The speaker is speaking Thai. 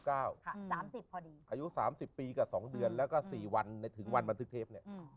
อายุ๓๐ปีกว่า๒เดือนแล้วก็๔วันถึงวันบรรทึกเทพ